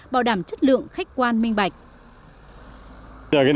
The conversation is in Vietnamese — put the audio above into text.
bảo đảm chất lượng khách quan minh bạch